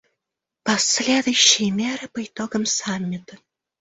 Последующие меры по итогам Саммита.